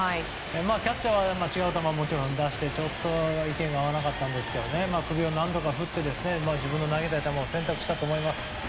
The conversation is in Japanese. キャッチャーは違う球を出してちょっと意見が合わなかったんですけど首を何度か振って自分の投げたい球を選択したと思います。